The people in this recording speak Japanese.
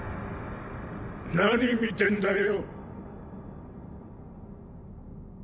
何見てんだよ。